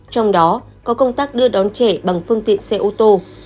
trong đó có công tác đưa đón trẻ bằng phương tiện xe ô tô